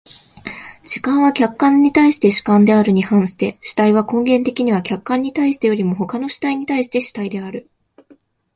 主観は客観に対して主観であるに反して、主体は根源的には客観に対してよりも他の主体に対して主体である。